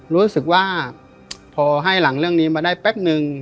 รู้สึกว่าพอให้หลังเรื่องนี้มาได้แป๊บนึง